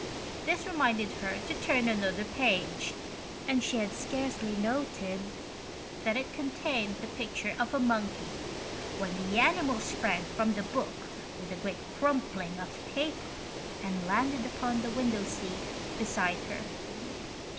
This reminded her to turn another page, and she had scarcely noted that it contained the picture of a monkey when the animal sprang from the book with a great crumpling of paper and landed upon the window seat beside her.